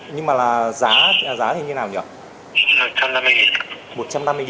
nhưng mà là giá thì như thế nào nhỉ